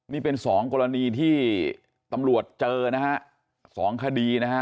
นี่เป็นสองกรณีที่ตำรวจเจอนะฮะ๒คดีนะฮะ